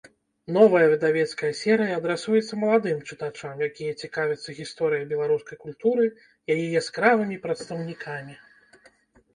Новая выдавецкая серыя адрасуецца маладым чытачам, якія цікавяцца гісторыяй беларускай культуры, яе яскравымі прадстаўнікамі.